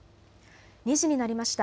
２時になりました。